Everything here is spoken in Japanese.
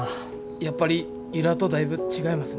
やっぱり由良とだいぶ違いますね。